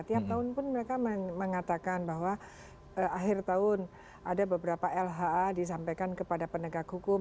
tiap tahun pun mereka mengatakan bahwa akhir tahun ada beberapa lha disampaikan kepada penegak hukum